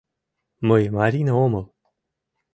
Мый Марина омыл.